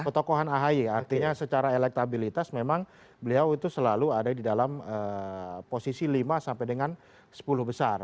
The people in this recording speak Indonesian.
ketokohan ahy artinya secara elektabilitas memang beliau itu selalu ada di dalam posisi lima sampai dengan sepuluh besar